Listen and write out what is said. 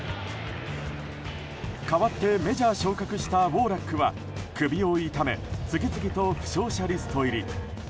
代わってメジャー昇格したウォーラックは首を痛め次々と負傷者リスト入り。